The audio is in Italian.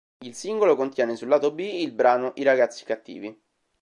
Il singolo contiene sul lato B il brano "I ragazzi cattivi".